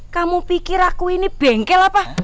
kamu pikir aku ini bengkel apa